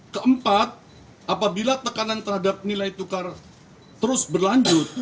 keempat apabila tekanan terhadap nilai tukar terus berlanjut